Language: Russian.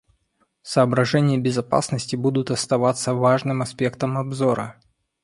Соображения безопасности будут оставаться важным аспектом обзора.